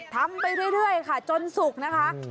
ทำไปเรื่อยค่ะจนสุกนะคะ